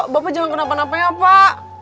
bapak jangan kenapa napanya pak